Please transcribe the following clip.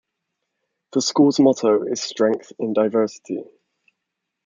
The school's motto is "Strength in Diversity".